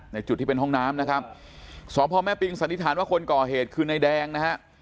จุดที่เป็นห้องน้ำนะครับสพแม่ปิงสันนิษฐานว่าคนก่อเหตุคือนายแดงนะฮะ